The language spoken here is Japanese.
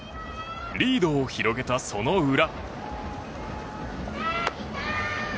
リードを広げたその裏。